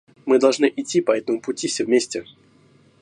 Мы должны идти по этому пути все вместе.